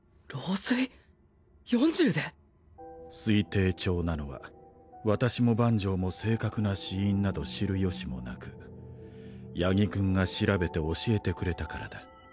４０で！？推定調なのは私も万縄も正確な死因など知る由もなく八木くんが調べて教えてくれたからだ。